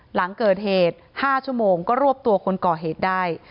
หลังเกิดเหตุ๕ชั่วโมงก็รวบตัวคนก่อเหตุได้